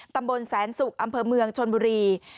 ตำบลแสนสุกอำเภอเมืองชนบุรี